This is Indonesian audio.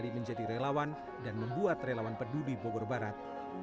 menjadi relawan dan membuat relawan peduli bogor barat